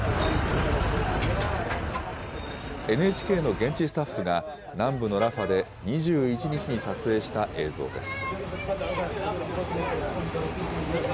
ＮＨＫの現地スタッフが、南部のラファで２１日に撮影した映像です。